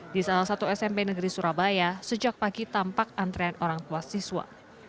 di salah satu smp negeri surabaya sejak pagi tampak antrean orang tua siswa